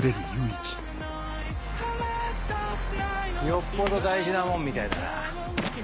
よっぽど大事なもんみたいだな。